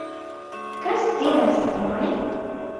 Kas dziedās ar mani?